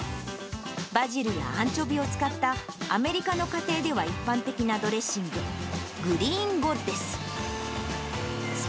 バジルやアンチョビを使った、アメリカの家庭では一般的なドレッシング、グリーンゴッデス。